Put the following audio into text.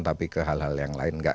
tapi ke hal hal yang lain